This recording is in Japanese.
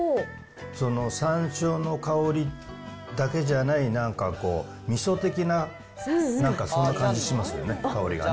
そのさんしょうの香りだけじゃないなんかこう、みそ的な、なんかそんな感じしますよね、香りがね。